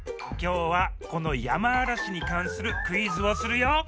きょうはこのヤマアラシにかんするクイズをするよ！